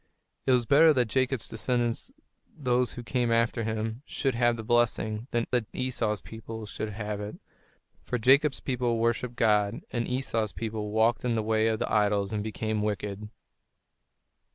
It was better that Jacob's descendants, those who came after him, should have the blessing, than that Esau's people should have it; for Jacob's people worshipped God, and Esau's people walked in the way of the idols and became wicked.